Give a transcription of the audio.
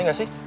iya gak sih